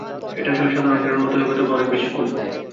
এটা আসলে সাধারণ হিরোর মতোই তবে অনেক বেশি কুল।